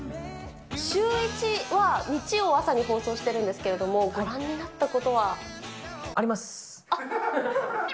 シューイチは日曜朝に放送しているんですけど、ご覧になったことあります。